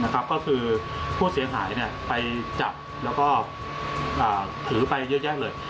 ก็คือผู้เสียหายไปจับแล้วก็ถือไปเยอะแยะเลย